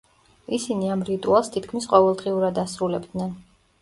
ისინი ამ რიტუალს თითქმის ყოველდღიურად ასრულებდნენ.